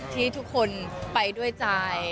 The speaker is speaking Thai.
ที่ทุกคนไปด้วยใจ